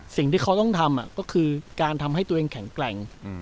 สิ่งที่เขาต้องทำก็คือการทำให้ตัวเองแข็งแกร่ง